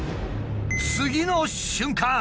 次の瞬間。